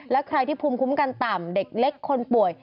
และใครที่ภูมิคุ้มกันต่ำเด็กเล็กคนป่วย